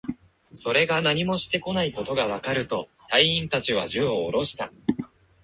それが何もしてこないことがわかると、隊員達は銃をおろした